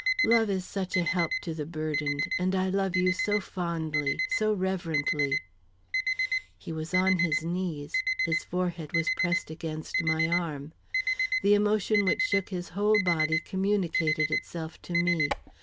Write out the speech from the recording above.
Love is such a help to the burdened, and I love you so fondly, so reverently." He was on his knees; his forehead was pressed against my arm. The emotion which shook his whole body communicated itself to me.